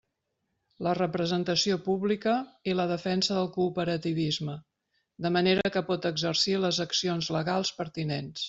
La representació pública i la defensa del cooperativisme, de manera que pot exercir les accions legals pertinents.